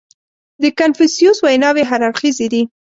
• د کنفوسیوس ویناوې هر اړخیزې دي.